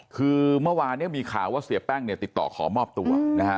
คือเมื่อวานเนี่ยมีข่าวว่าเสียแป้งเนี่ยติดต่อขอมอบตัวนะฮะ